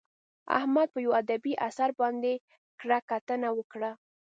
احمد په یوه ادبي اثر باندې کره کتنه وکړه.